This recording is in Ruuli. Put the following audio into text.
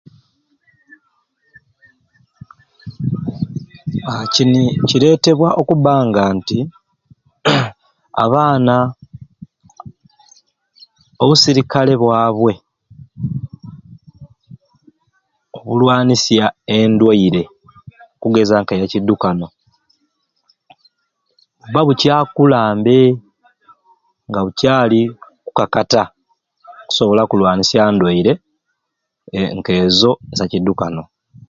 Haaa kyini kyiretebwa okubanga nti abaana obusirikale bwabwe obulwanisya endwaire okugeza nga alina ekidukano buba bukyakula mbe nga bukyali kukakata kusobola kulwanisya ndwaire nka eizo eza kidukano